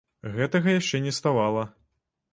Гэтага яшчэ не ставала.